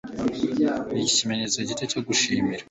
Iki nikimenyetso gito cyo gushimira.